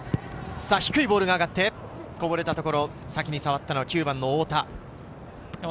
低いボールが上がってこぼれたところ、先に触ったのは太田。